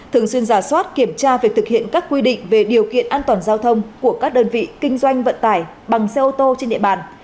thường xuyên giả soát kiểm tra việc thực hiện các quy định về điều kiện an toàn giao thông của các đơn vị kinh doanh vận tải bằng xe ô tô trên địa bàn